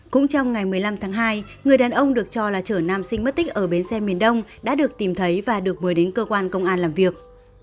cũng trong ngày một mươi năm tháng hai người đàn ông được cho là chở nam sinh mất tích ở bến xe miền đông đã được tìm thấy và được mời đến cơ quan công an làm việc